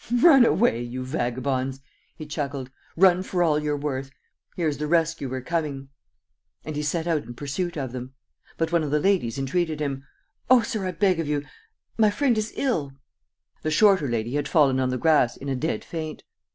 "Run away, you vagabonds," he chuckled; "run for all you are worth! Here's the rescuer coming!" And he set out in pursuit of them. But one of the ladies entreated him: "Oh, sir, I beg of you ... my friend is ill." The shorter lady had fallen on the grass in a dead faint.